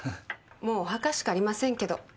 もうお墓しかありませんけど。